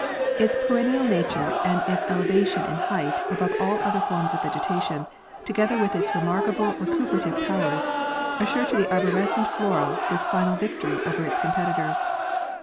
Its perennial nature and its elevation in height above all other forms of vegetation, together with its remarkable recuperative powers, assure to the arborescent flora this final victory over its competitors.